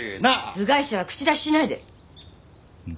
部外者は口出ししないで！